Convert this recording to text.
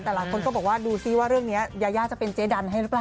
แต่หลายคนก็บอกว่าดูซิว่าเรื่องนี้ยายาจะเป็นเจ๊ดันให้หรือเปล่า